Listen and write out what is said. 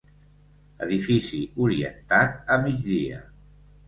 Edifici orientat a migdia.